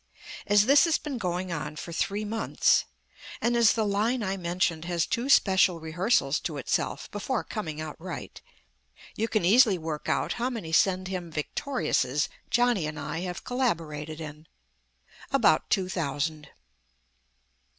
As this has been going on for three months, and as the line I mentioned has two special rehearsals to itself before coming out right, you can easily work out how many send him victoriouses Johnny and I have collaborated in. About two thousand.